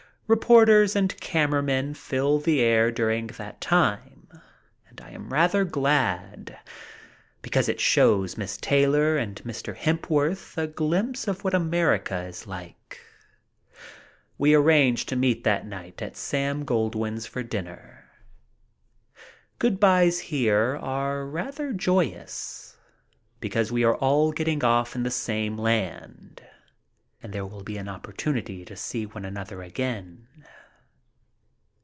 Reporters and camera men fill the air during all that time, and I am rather glad, because it shows Miss Taylor and Mr. Hepworth a glimpse of what America is like. We arrange to meet that night at Sam Goldwyn's for dinner. Good bys here are rather joyous, because we are all getting off in the same land and there will be an opportunity to see one another again.